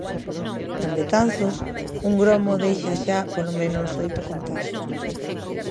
En Betanzos, un gromo deixa xa, polo menos, oito contaxios.